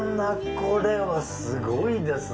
これはすごいですね。